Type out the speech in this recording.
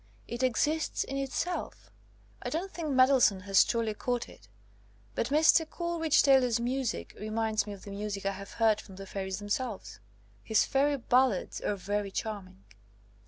It exists in itself . I don't think Mendelssohn has truly caught it, but Mr. Coleridge Taylor's music reminds me of the music I have heard from the fairies themselves ; his fairy ballads are very charm ing.